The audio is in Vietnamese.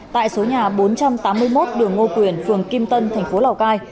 tại số nhà bốn trăm tám mươi một đường ngô quyền phường kim tân tp lào cai